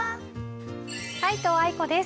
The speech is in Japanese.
皆藤愛子です。